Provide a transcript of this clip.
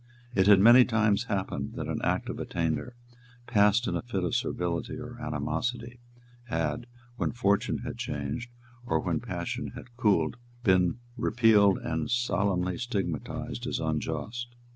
It had many times happened that an Act of Attainder, passed in a fit of servility or animosity, had, when fortune had changed, or when passion had cooled, been repealed and solemnly stigmatized as unjust.